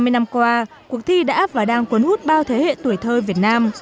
ba mươi năm qua cuộc thi đã và đang cuốn hút bao thế hệ tuổi thơ việt nam